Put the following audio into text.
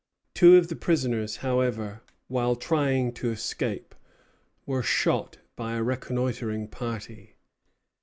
Two of the prisoners, however, while trying to escape, were shot by a reconnoitring party.